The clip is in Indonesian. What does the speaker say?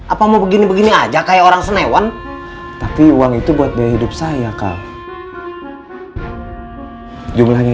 apa mau begini begini aja kayak orang senewan tapi uang itu buat biaya hidup saya kak jumlahnya